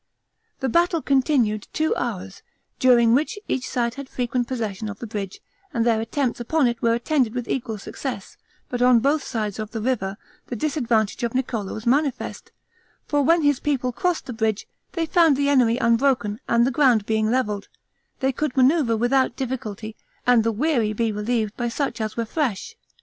The battle continued two hours, during which each side had frequent possession of the bridge, and their attempts upon it were attended with equal success; but on both sides of the river, the disadvantage of Niccolo was manifest; for when his people crossed the bridge, they found the enemy unbroken, and the ground being leveled, they could manoeuvre without difficulty, and the weary be relieved by such as were fresh.